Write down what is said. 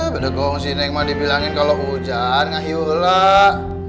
eh beda gong sih neng mah dibilangin kalau hujan gak hiyulah